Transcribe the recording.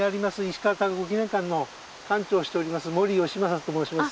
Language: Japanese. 石川啄木記念館の館長をしております森義真と申します。